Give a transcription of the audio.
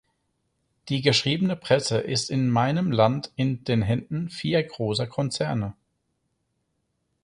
Die geschriebene Presse ist in meinem Land in den Händen vier großer Konzerne.